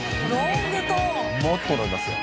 もっと伸びますよ。